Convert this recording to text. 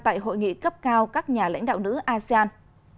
tại hội nghị cấp cao các nhà lãnh đạo nữ asean